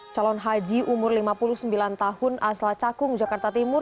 calon haji umur lima puluh sembilan tahun asal cakung jakarta timur